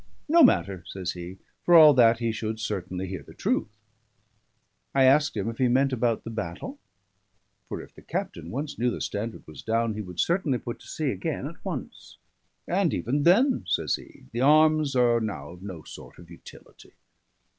"No matter," says he. "For all that, he should certainly hear the truth." I asked him If he meant about the battle? for if the captain once knew the standard was down, he would certainly put to sea again at once. "And even then!" said he; "the arms are now of no sort of utility."